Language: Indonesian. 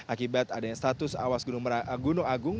akibat adanya status awas gunung agung